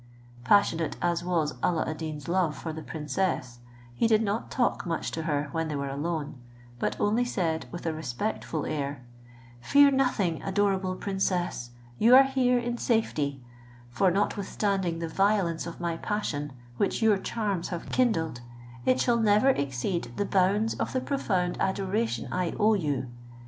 Passionate as was Alla ad Deen's love for the princess, he did not talk much to her when they were alone; but only said with a respectful air, "Fear nothing, adorable princess, you are here in safety; for, notwithstanding the violence of my passion, which your charms have kindled, it shall never exceed the bounds of the profound adoration I owe you.